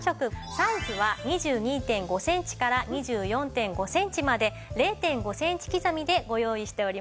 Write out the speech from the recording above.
サイズは２２．５センチから２４．５センチまで０．５センチ刻みでご用意しております。